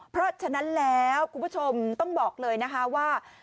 เพราะฉะนั้นแล้วคุณผู้ชมต้องบอกเลยนะคะว่า